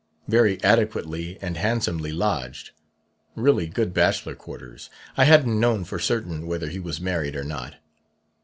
Very adequately and handsomely lodged. Really good bachelor quarters (I hadn't known for certain whether he was married or not).